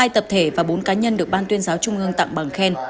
hai tập thể và bốn cá nhân được ban tuyên giáo trung ương tặng bằng khen